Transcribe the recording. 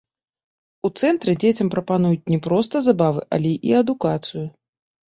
У цэнтры дзецям прапануюць не проста забавы, але і адукацыю.